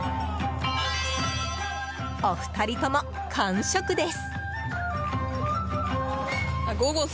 お二人とも、完食です。